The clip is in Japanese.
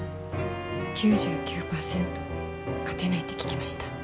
９９％勝てないって聞きました。